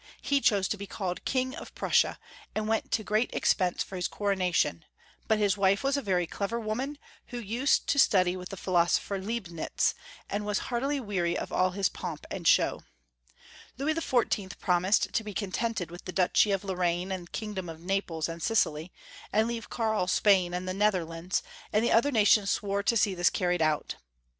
He chose to be called King of Prussia, and went to great expense for his coronation, but his wife was a very clever woman, who used to study with the philosopher Leibnitz, and was heartily weary of all his pomp and show. Louis XIV. promised to be contented 372 Young Folks^ History of Q ermany. with the duchy of Lorraine and kingdom of Naples and Sicily, and leave Karl Spain and the Nether lands, and the other nations swore to see this car ried out.